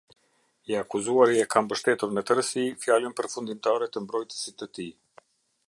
I akuzuari e ka mbështetur në tërësi fjalën përfundimtare të mbrojtësit të tij.